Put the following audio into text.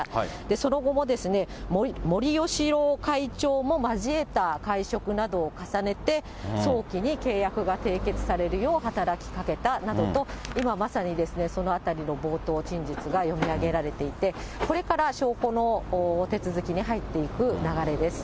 その後も森喜朗会長も交えた会食などを重ねて、早期に契約が締結されるよう働きかけたなどと、今、まさにそのあたりの冒頭陳述が読み上げられていて、これから証拠の手続きに入っていく流れです。